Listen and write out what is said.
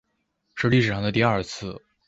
是历史上的第二次